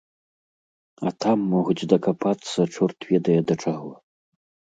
А там могуць дакапацца чорт ведае да чаго.